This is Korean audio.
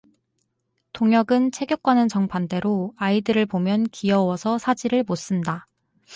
동혁은 체격과는 정반대로 아이들을 보면 귀여워서 사지를 못 쓴다.